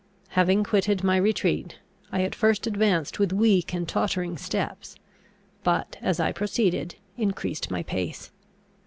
Having quitted my retreat, I at first advanced with weak and tottering steps; but, as I proceeded, increased my pace.